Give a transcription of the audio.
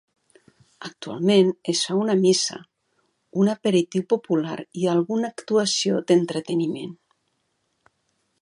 Actualment, es fa una missa, un aperitiu popular i alguna actuació d'entreteniment.